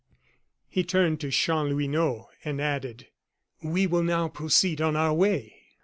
He turned to Chanlouineau, and added: "We will now proceed on our way."